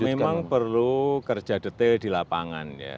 memang perlu kerja detail di lapangan ya